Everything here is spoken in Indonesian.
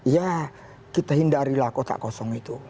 ya kita hindarilah kotak kosong itu